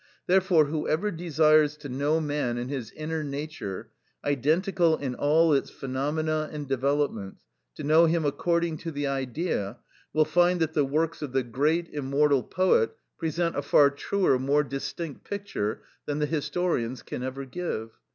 Therefore, whoever desires to know man in his inner nature, identical in all its phenomena and developments, to know him according to the Idea, will find that the works of the great, immortal poet present a far truer, more distinct picture, than the historians can ever give.